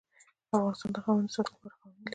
افغانستان د قومونه د ساتنې لپاره قوانین لري.